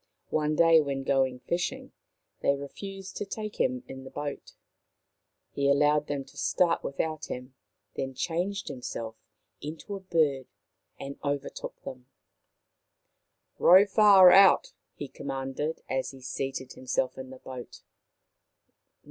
One day, when going fishing, they refused to take him in the boat. He allowed them to start without him, then changed himself into a bird 92 Maoriland Fairy Tales and overtook them. " Row far out !" he com manded as he seated himself in the boat.